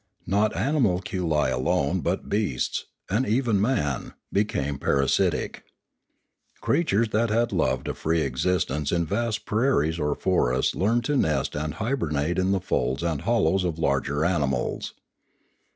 Not animalculse alone but beasts, and even man, became parasitic. Creatures that had loved a free existence in vast prairies or forests learned to nest and hibernate in the folds and hollows of larger animals.